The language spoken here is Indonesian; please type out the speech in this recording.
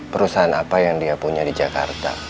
perusahaan apa yang dia punya di jakarta